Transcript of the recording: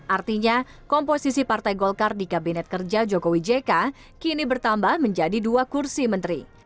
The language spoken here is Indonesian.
artinya komposisi partai golkar di kabinet kerja jokowi jk kini bertambah menjadi dua kursi menteri